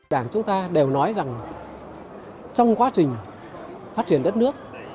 đảng chúng ta đều nói rằng trong quá trình phát triển đất nước